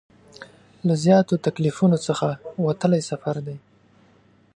له زیاتو تکلیفونو څخه وتلی سفر دی.